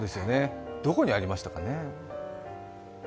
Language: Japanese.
どこにありました？